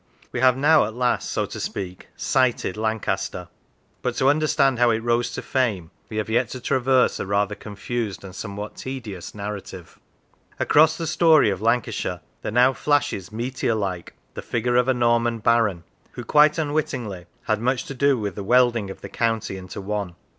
We have now at last, so to speak, " sighted " Lancaster; but to understand how it rose to fame we have yet to traverse a rather confused and somewhat tedious narrative. Across the story of Lancashire there now flashes, meteor like, the figure of a Norman Baron, who, quite unwittingly, had much to do with the welding of the county into one.